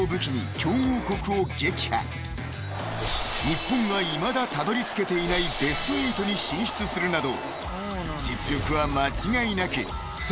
［日本がいまだたどりつけていないベスト８に進出するなど間違いなく］